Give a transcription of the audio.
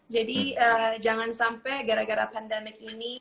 jadi jangan sampai gara gara pandemi ini